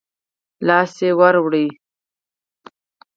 لاس يې ورووړ.